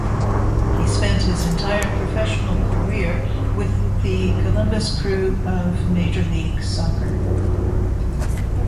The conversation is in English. He spent his entire professional career with the Columbus Crew of Major League Soccer.